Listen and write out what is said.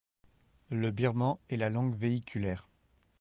Le birman est la langue véhiculaire.